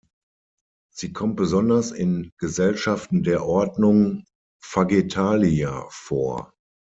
Sie kommt besonders in Gesellschaften der Ordnung Fagetalia vor.